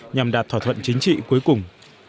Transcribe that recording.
nhằm đạt thỏa thuận chính trị cuối cùng